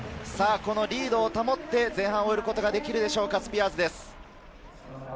リードを保って前半を終えることができるでしょうか？